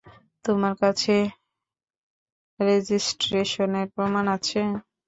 তোমার কাছে রেজিস্ট্রেশনের প্রমাণ আছে?